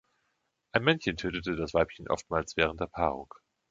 Ein Männchen tötete das Weibchen oftmals während der Paarung.